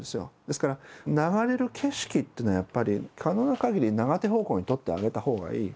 ですから流れる景色っていうのはやっぱり可能な限り長手方向に取ってあげた方がいい。